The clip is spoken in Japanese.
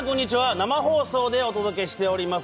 生放送でお届けしております